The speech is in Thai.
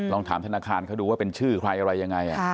ลองถามธนาคารเขาดูว่าเป็นชื่อใครอะไรยังไง